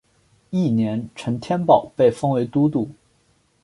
翌年陈添保被封为都督。